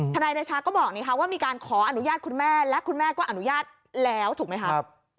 นายเดชาก็บอกว่ามีการขออนุญาตคุณแม่และคุณแม่ก็อนุญาตแล้วถูกไหมคะ